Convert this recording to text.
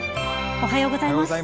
おはようございます。